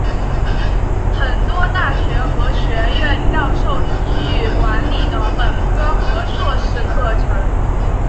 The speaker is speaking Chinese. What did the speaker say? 很多大学和学院教授体育管理的本科和硕士课程。